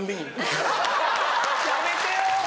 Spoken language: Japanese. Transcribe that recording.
やめてよ！